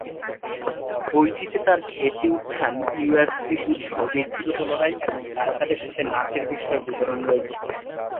বইটিতে তাঁর খ্যাতি উত্থান, ইউএফসি যুদ্ধ, ব্যক্তিগত লড়াই এবং তারকাদের সাথে নাচের বিষয়ের বিবরণ রয়েছে।